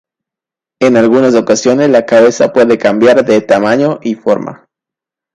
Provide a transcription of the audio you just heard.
En algunas ocasiones la cabeza puede cambiar de tamaño y forma.